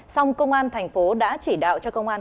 song công an thành phố đã chỉ đạo cho công an